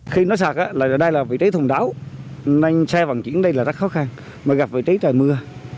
khi nó sạt đây là vị trí thùng đảo xe vận chuyển đây rất khó khăn gặp vị trí trời mưa